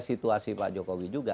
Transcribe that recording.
situasi pak jokowi juga